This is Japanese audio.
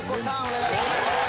お願いします